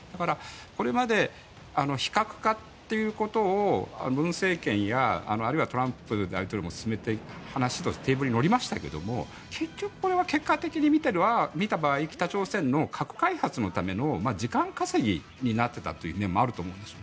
これまで非核化ということを文政権やあるいはトランプ大統領も進めて話のテーブルに乗りましたけど結局、これは結果的に見た場合北朝鮮の核開発のための時間稼ぎになっていたという面もあると思うんです。